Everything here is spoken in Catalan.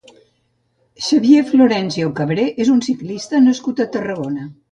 Xavier Florencio Cabré és un ciclista nascut a Tarragona.